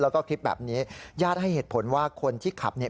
แล้วก็คลิปแบบนี้ญาติให้เหตุผลว่าคนที่ขับเนี่ย